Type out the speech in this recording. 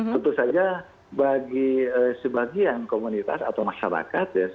tentu saja bagi sebagian komunitas atau masyarakat ya